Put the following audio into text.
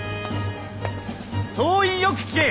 総員よく聞け！